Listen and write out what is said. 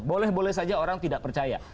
boleh boleh saja orang tidak percaya